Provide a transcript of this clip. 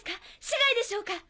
市外でしょうか？